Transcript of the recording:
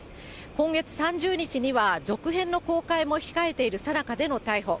今月３０日には、続編の公開も控えているさなかでの逮捕。